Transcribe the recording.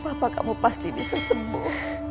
bapak kamu pasti bisa sembuh